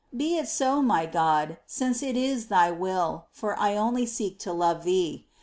Be it so, my God, since it is Thy will, for I only seek to love Thee."